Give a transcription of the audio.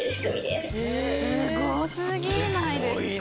すごすぎないですか？